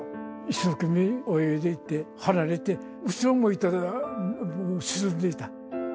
一生懸命泳いでいって、離れて、後ろ向いたら、もう沈んでいた。